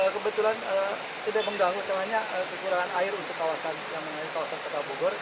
kebetulan tidak mengganggu kekurangan air untuk kawasan kawasan kabupaten bogor